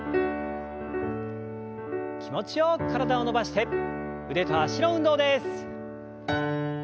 気持ちよく体を伸ばして腕と脚の運動です。